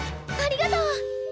ありがとう！